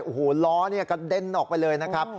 โอ้โหล้อเนี่ยกระเด็นออกไปเลยนะครับ